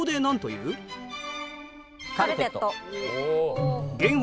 カルテット。